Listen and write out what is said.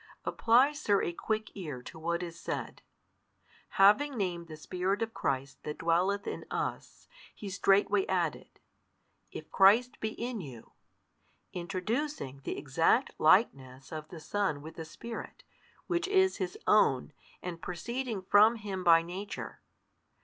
Apply, sir, a quick ear to what is said. Having named the Spirit of Christ That dwelleth in us, he straightway added, If Christ be in you, introducing the exact likeness of the Son with the Spirit, Which is His Own and proceeding from Him by Nature.